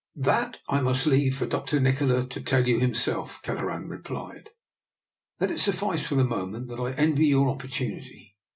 "" That I must leave for Dr. Nikola to tell you himself," Kelleran replied. " Let it suf fice for the moment that I envy your oppor tunity.